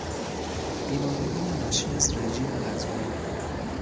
بیماریهای ناشی از رژیم غذایی